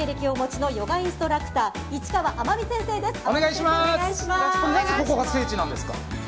なぜここが聖地なんですか？